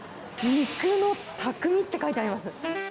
肉の匠って書いてあります。